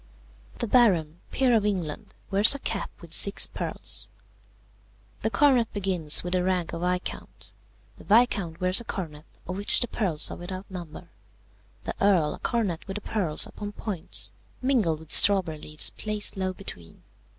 "The Baron, peer of England, wears a cap with six pearls. The coronet begins with the rank of Viscount. The Viscount wears a coronet of which the pearls are without number. The Earl a coronet with the pearls upon points, mingled with strawberry leaves placed low between.